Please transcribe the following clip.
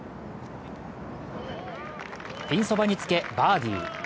ピンそばにつけ、バーディー。